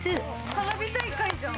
花火大会じゃん。